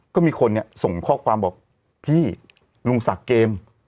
ก็มีคนเนี่ยส่งข้อความบอกพี่ลุงศักดิ์เกม